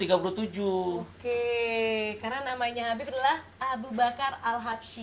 karena namanya habib adalah abu bakar al habshi